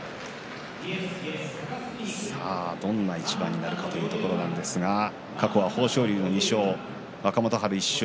さあどんな一番になるかというところなんですが過去は豊昇龍の２勝若元春１勝。